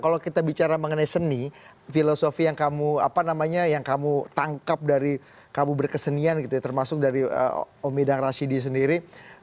kalau kita bicara mengenai seni filosofi yang kamu apa namanya yang kamu tangkap dari kamu berkesenian gitu ya termasuk dari omik dan rashidi sendiri